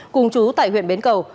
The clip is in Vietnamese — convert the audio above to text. cùng chú tại huyện bến cầu